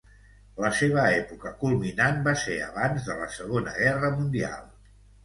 La seva època culminant va ser abans de la Segona Guerra Mundial.